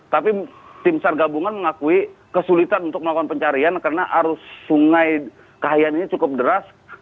tapi tim sar gabungan mengakui kesulitan untuk melakukan pencarian karena arus sungai kahayan ini cukup deras